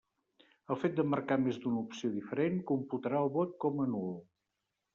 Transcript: El fet de marcar més d'una opció diferent, computarà el vot com a nul.